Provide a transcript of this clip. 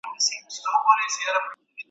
که زده کړه دوامداره وي دا تعليم بلل کېږي.